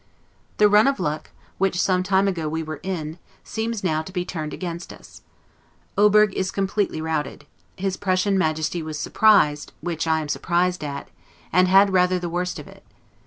The run of luck, which some time ago we were in, seems now to be turned against us. Oberg is completely routed; his Prussian Majesty was surprised (which I am surprised at), and had rather the worst of it.